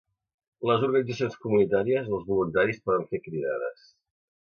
Les organitzacions comunitàries o els voluntaris poden fer cridades.